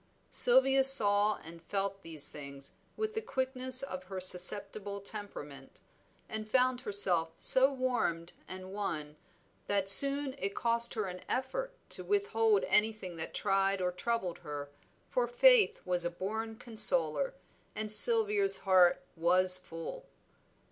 Sylvia saw and felt these things with the quickness of her susceptible temperament, and found herself so warmed and won, that soon it cost her an effort to withhold anything that tried or troubled her, for Faith was a born consoler, and Sylvia's heart was full.